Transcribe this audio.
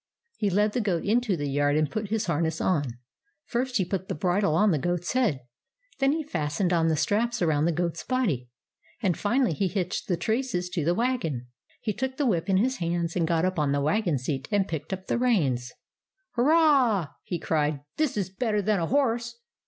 He led the goat into the yard, and put his harness on. First he put the bridle on the goat's head, then he fastened on the straps around the goat's body, and finally he hitched the traces to the wagon. He took the whip in his hands, and got up on the wagon seat and picked up the reins. "Hurrah!" he cried. "This is better than a horse